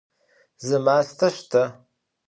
Zı maste şşte!